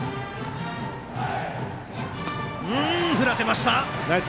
振らせました！